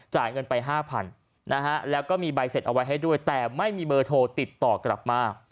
เงินไป๕๐๐นะฮะแล้วก็มีใบเสร็จเอาไว้ให้ด้วยแต่ไม่มีเบอร์โทรติดต่อกลับมา